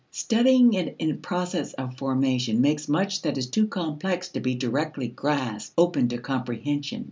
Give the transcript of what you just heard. Studying it in process of formation makes much that is too complex to be directly grasped open to comprehension.